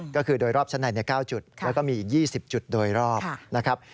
ก็คือโดยรอบชั้นใน๙จุดแล้วก็มีอีก๒๐จุดโดยรอบนะครับ